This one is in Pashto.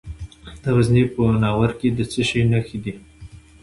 د غزني په ناور کې د څه شي نښې دي؟